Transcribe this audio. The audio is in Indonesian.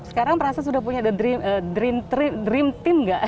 sekarang proses sudah punya the dream team tidak